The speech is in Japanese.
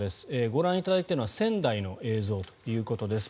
ご覧いただいているのは仙台の映像ということです。